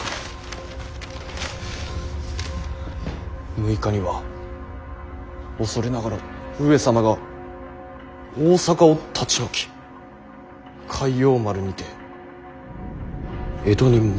「６日には恐れながら上様が大坂を立ち退き開陽丸にて江戸に戻られた」。